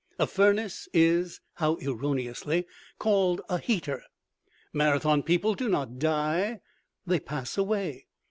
A furnace is (how erroneously!) called a "heater." Marathon people do not die they "pass away."